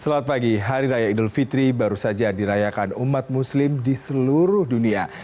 selamat pagi hari raya idul fitri baru saja dirayakan umat muslim di seluruh dunia